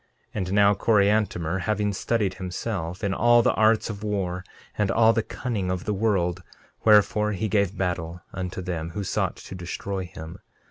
13:16 And now Coriantumr, having studied, himself, in all the arts of war and all the cunning of the world, wherefore he gave battle unto them who sought to destroy him.